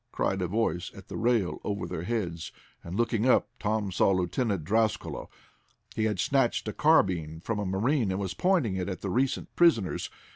cried a voice at the rail over their heads, and looking up, Tom saw Lieutenant Drascalo. He had snatched a carbine from a marine, and was pointing it at the recent prisoners.